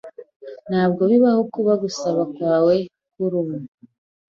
Ntabwo bibaho kuba gusaba kwawe kurubu.